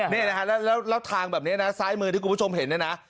นี่นะฮะแล้วทางแบบนี้นะซ้ายมือที่คุณผู้ชมเห็นเนี่ยนะ